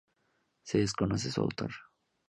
Se desconoce su autor.